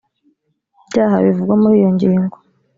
byaha bivugwa muri iyo ngingo